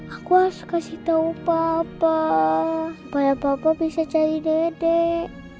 aku harus kasih tahu papa supaya bapak bisa cari dede